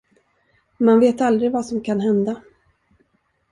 Man vet aldrig, vad som kan hända.